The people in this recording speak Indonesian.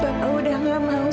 bapak tidak mau bersama aida lagi